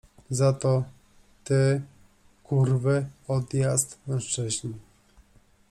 Za to ty — kurwy, odjazd, mężczyźni.